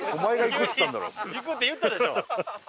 「行く」って言ったでしょ！